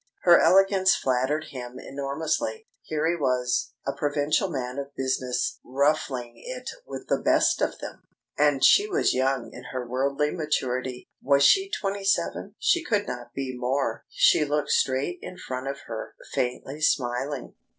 Her elegance flattered him enormously. Here he was, a provincial man of business, ruffling it with the best of them! ... And she was young in her worldly maturity. Was she twenty seven? She could not be more. She looked straight in front of her, faintly smiling....